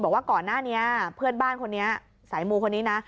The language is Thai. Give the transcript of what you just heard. บอกว่าก่อนหน้านี้เพื่อนบ้านคนนี้สายมูคนนี้นะ